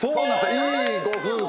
「いいご夫婦」